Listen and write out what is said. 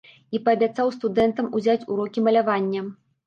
І паабяцаў студэнтам узяць урокі малявання.